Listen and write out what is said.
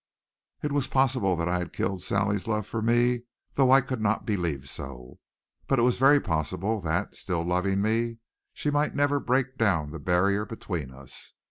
It was possible that I had killed Sally's love for me, though I could not believe so; but it was very possible that, still loving me, she might never break down the barrier between us.